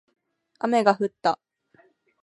雨が降った